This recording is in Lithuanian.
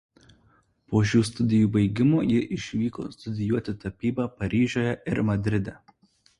Po šių studijų baigimo ji išvyko studijuoti tapybą Paryžiuje ir Madride.